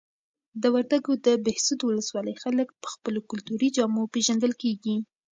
د وردګو د بهسود ولسوالۍ خلک په خپلو کلتوري جامو پیژندل کیږي.